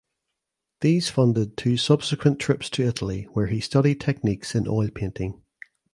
These funded two subsequent trips to Italy where he studied techniques in oil painting.